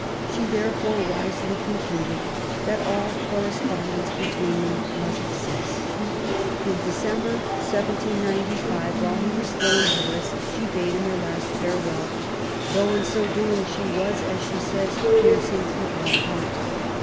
She therefore wisely concluded that all correspondence between them must cease. In December, 1795, while he was still in Paris, she bade him her last farewell, though in so doing she was, as she says, piercing her own heart.